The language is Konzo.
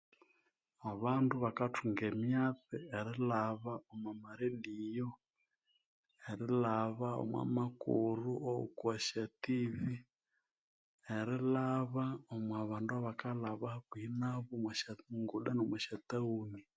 Abandu bakathunga emyatsi eriraba omwa ma radio, eriraba omwa makulhu owokwasya TV, nerilhaba omwabandu abakalhaba hakuhi nabu omusyanguda nomwa sya town